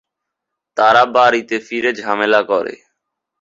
তারা বাড়িতে ফিরে ঝামেলা করে।